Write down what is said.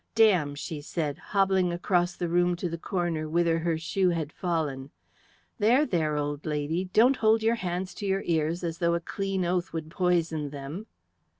"Damn!" she said, hobbling across the room to the corner, whither her shoe had fallen. "There, there, old lady; don't hold your hands to your ears as though a clean oath would poison them!"